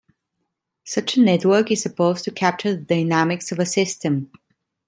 Such a network is supposed to capture the dynamics of a system.